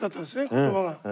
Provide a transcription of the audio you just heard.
言葉が。